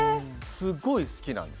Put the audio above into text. すっごい好きなの。